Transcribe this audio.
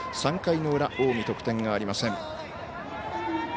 ３回の裏、近江得点がありません。